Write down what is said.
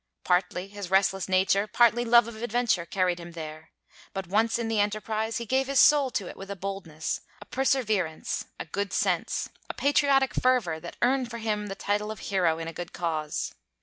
Partly his restless nature, partly love of adventure carried him there; but once in the enterprise, he gave his soul to it with a boldness, a perseverance, a good sense, a patriotic fervor that earn for him the title of a hero in a good cause.